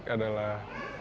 untuk membuatnya lebih penting